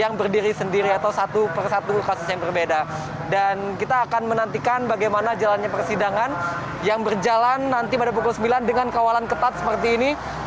yang berdiri sendiri atau satu persatu kasus yang berbeda dan kita akan menantikan bagaimana jalannya persidangan yang berjalan nanti pada pukul sembilan dengan kawalan ketat seperti ini